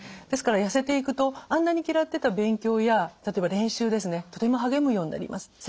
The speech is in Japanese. ですから痩せていくとあんなに嫌ってた勉強や例えば練習ですねとても励むようになります。